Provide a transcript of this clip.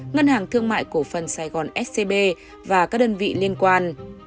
ngân hàng thương mại cổ phần sài gòn scb và các đơn vị liên quan